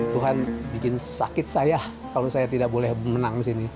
tuhan bikin sakit saya kalau saya tidak boleh menang di sini